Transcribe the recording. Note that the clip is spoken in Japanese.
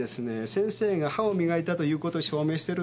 「先生が歯を磨いた」ということを証明してるんです。